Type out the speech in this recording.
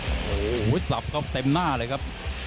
โอ้โหสับครับเต็มหน้าเลยครับ